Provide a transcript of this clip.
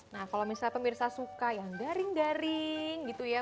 nah kalau misalnya pemirsa suka yang garing garing gitu ya